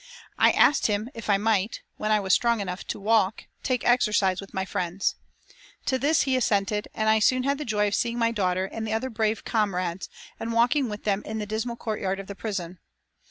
I asked him if I might, when I was strong enough to walk, take exercise with my friends. To this he assented, and I soon had the joy of seeing my daughter and the other brave comrades, and walking with them in the dismal courtyard of the prison.